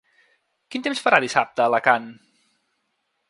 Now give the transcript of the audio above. Quin temps farà dissabte a Alacant?